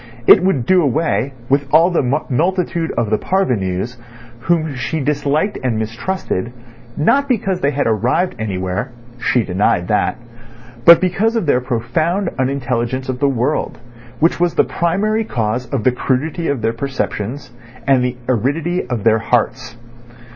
It would do away with all the multitude of the "parvenus," whom she disliked and mistrusted, not because they had arrived anywhere (she denied that), but because of their profound unintelligence of the world, which was the primary cause of the crudity of their perceptions and the aridity of their hearts.